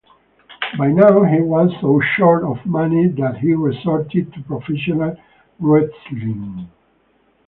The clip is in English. By now he was so short of money that he resorted to professional wrestling.